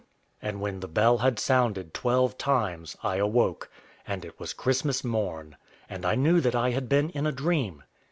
And when the bell had sounded twelve times, I awoke; and it was Christmas morn; and I knew that I had been in a dream.